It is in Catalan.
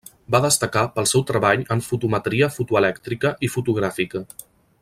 Va destacar pel seu treball en fotometria fotoelèctrica i fotogràfica.